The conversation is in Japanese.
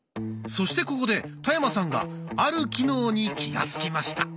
そしてここで田山さんがある機能に気が付きました。